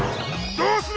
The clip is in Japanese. こうする！